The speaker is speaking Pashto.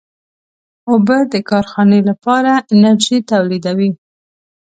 اوبه د کارخانې لپاره انرژي تولیدوي.